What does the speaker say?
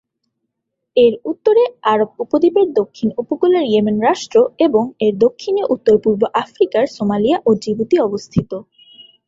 এর উত্তরে আরব উপদ্বীপের দক্ষিণ উপকূলের ইয়েমেন রাষ্ট্র এবং এর দক্ষিণে উত্তর-পূর্ব আফ্রিকার সোমালিয়া ও জিবুতি অবস্থিত।